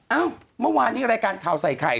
เมื่อวานนี้รายการข่าวใส่ไข่